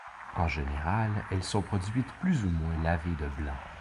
En général, elles sont produites plus ou moins lavées de blanc.